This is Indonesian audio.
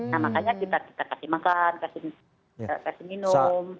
nah makanya kita kasih makan kasih minum